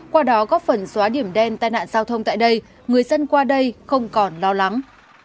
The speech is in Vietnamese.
qua đó góp phần xóa điểm đen tai nạn giao thông tại đây người dân qua đây không còn lo lắng